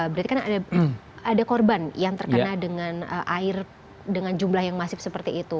berarti kan ada korban yang terkena dengan air dengan jumlah yang masif seperti itu